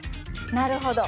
なるほど。